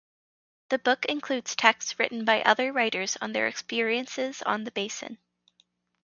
The book includes texts written by other writers on their experiences on the Basin.